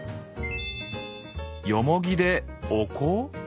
よもぎでお香？